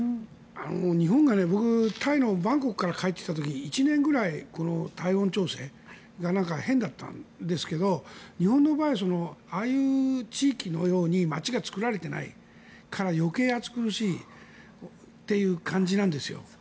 日本が僕、タイのバンコクから帰ってきた時１年ぐらい体温調整が変だったんですけど、日本の場合ああいう地域のように街が作られていないから余計、暑苦しいという感じなんですよ。